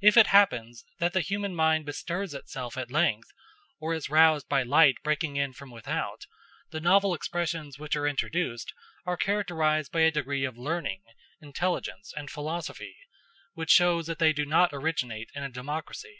If it happens that the human mind bestirs itself at length, or is roused by light breaking in from without, the novel expressions which are introduced are characterized by a degree of learning, intelligence, and philosophy, which shows that they do not originate in a democracy.